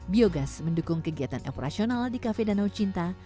biogas mendukung kegiatan operasional di cafe danau cinta